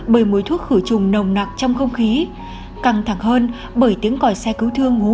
bơi muối thuốc khử trùng nồng nặng trong không khí căng thẳng hơn bởi tiếng còi xe cứu thương hú